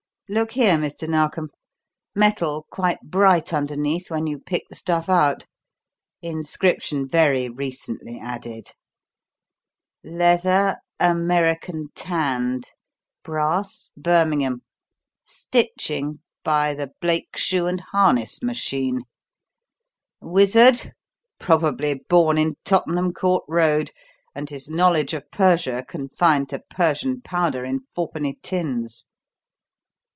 Look here, Mr. Narkom: metal quite bright underneath when you pick the stuff out. Inscription very recently added; leather, American tanned; brass, Birmingham; stitching, by the Blake shoe and harness machine; wizard probably born in Tottenham Court Road, and his knowledge of Persia confined to Persian powder in four penny tins."